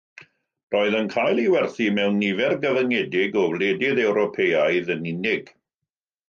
Roedd yn cael ei werthu mewn nifer gyfyngedig o wledydd Ewropeaidd yn unig.